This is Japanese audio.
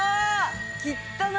きったな。